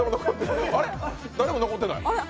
誰も残ってない。